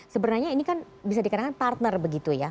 sebenarnya ini kan bisa dikatakan partner begitu ya